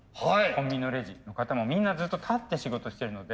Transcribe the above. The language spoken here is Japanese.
コンビニのレジの方もみんなずっと立って仕事してるので。